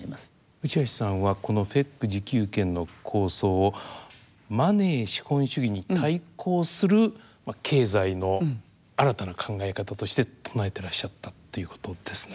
内橋さんはこのＦＥＣ自給圏の構想をマネー資本主義に対抗する経済の新たな考え方として唱えてらっしゃったということですね？